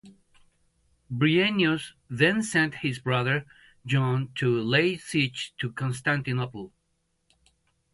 Bryennios then sent his brother John to lay siege to Constantinople.